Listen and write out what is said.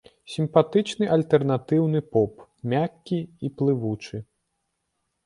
Сімпатычны альтэрнатыўны поп, мяккі і плывучы.